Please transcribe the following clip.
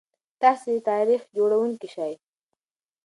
تاسي تاریخ جوړونکي شئ.